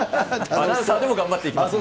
アナウンサーでも頑張っていきま